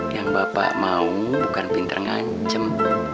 yang bapak mau bukan pinter ngancem